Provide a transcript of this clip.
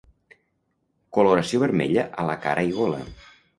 Coloració vermella a la cara i gola.